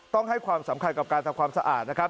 ต้องให้ความสำคัญกับการทำความสะอาดนะครับ